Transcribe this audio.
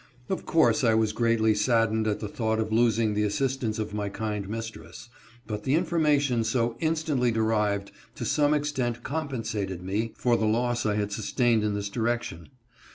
Of course I was greatly sad dened at the thought of losing the assistance of my kind mistress, but the information so instantly derived, to some extent compensated me for the loss I had sustained in this direction.